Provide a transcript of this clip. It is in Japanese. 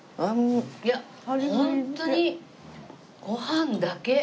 いやホントにご飯だけ！